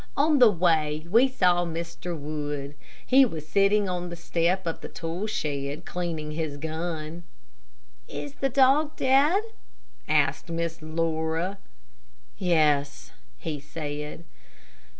On the way we saw Mr. Wood. He was sitting on the step of the tool shed cleaning his gun. "Is the dog dead?" asked Miss Laura. "Yes," he said.